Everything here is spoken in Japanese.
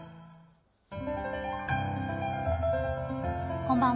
こんばんは。